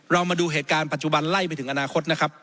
เรามาดูเหตุการณ์ปัจจุบันไล่ไปถึงอนาคตนะครับ